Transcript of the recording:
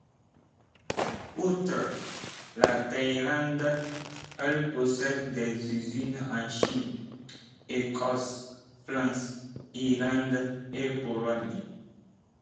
Outre la Thaïlande, elle possède des usines en Chine, Écosse, France, Irlande et Pologne.